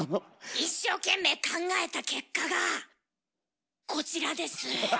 一生懸命考えた結果がこちらです。